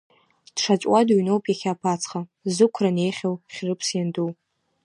Дшаҵәуа дыҩноуп иахьа аԥацха, зықәра неихьоу Хьрыԥс ианду.